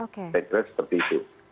tetapi seperti itu